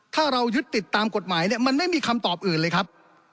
ถ้าเรายึดติดตามกฎหมายเนี่ยมันไม่มีคำตอบอื่นเลยครับ